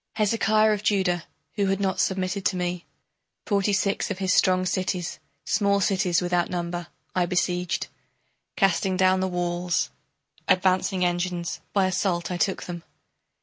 Hezekiah of Judah, who had not submitted to me, Forty six of his strong cities, small cities without number, I besieged. Casting down the walls, advancing engines, by assault I took them.